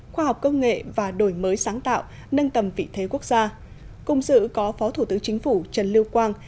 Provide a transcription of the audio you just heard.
khoa học công nghệ và đổi mới sáng tạo nâng tầm vị thế quốc gia cùng dự có phó thủ tướng chính phủ trần lưu quang